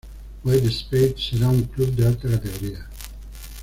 Wasted Space será un club de alta categoría.